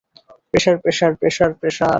Pressure, pressure, pressure, pressure!